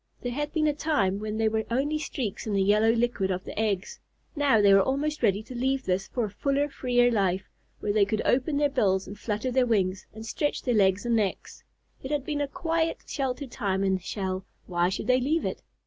There had been a time when they were only streaks in the yellow liquid of the eggs. Now they were almost ready to leave this for a fuller, freer life, where they could open their bills and flutter their wings, and stretch their legs and necks. It had been a quiet, sheltered time in the shell; why should they leave it?